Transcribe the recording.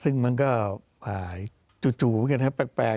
ซึ่งมันก็จู่ไว้แปลก